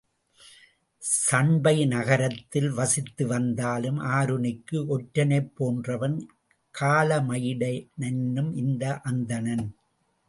சண்பை நகரத்தில் வசித்து வந்தாலும் ஆருணிக்கு ஒற்றனைப் போன்றவன், காளமயிட னென்னும் இந்த அந்தணன்.